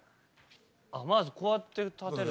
まずこうやって立てる。